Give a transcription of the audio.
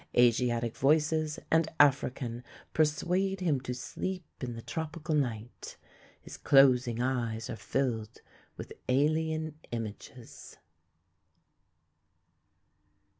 Asiatic voices and African persuade him to sleep in the tropical night. His closing eyes are filled with alien images.